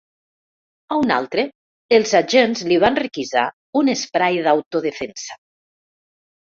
A un altre, els agents li van requisar un esprai d’autodefensa.